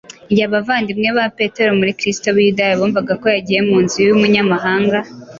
Igihe abavandimwe ba Petero muri Kristo b’i Yudaya bumvaga ko yagiye mu nzu y’umunyamahanga